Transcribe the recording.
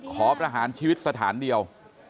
ประหารชีวิตสถานเดียว